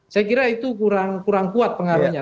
saya kira itu kurang kuat pengaruhnya